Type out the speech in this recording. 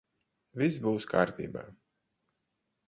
Viss būs kārtībā.